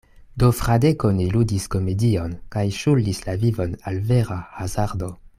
Do Fradeko ne ludis komedion, kaj ŝuldis la vivon al vera hazardo.